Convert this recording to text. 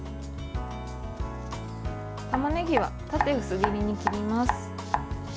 たまねぎは縦薄切りに切ります。